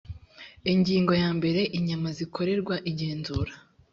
ingingo yambere inyama zikorerwa igenzura